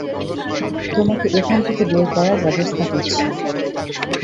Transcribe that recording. তোমাকে এখান থেকে বের করার ব্যবস্থা করছি!